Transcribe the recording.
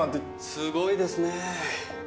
すごいですねぇ。